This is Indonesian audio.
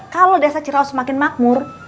kalo desa ciraos semakin makmur